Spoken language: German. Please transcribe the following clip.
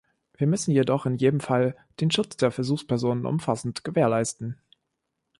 Wir müssen jedoch in jedem Fall den Schutz der Versuchspersonen umfassend gewährleisten.